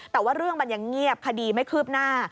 แต่ว่าเรื่องมันยังเงียบคดีไม่คืบหน้า